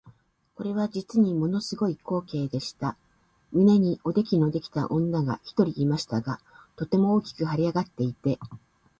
これは実にもの凄い光景でした。胸におできのできた女が一人いましたが、とても大きく脹れ上っていて、